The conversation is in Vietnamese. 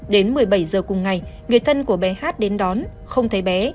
đến một mươi bảy h cùng ngày người thân của bé hát đến đón không thấy bé